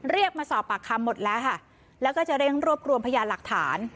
เรียกมาสอบปากคำหมดแล้วค่ะแล้วก็จะเร่งรวบรวมพยานหลักฐาน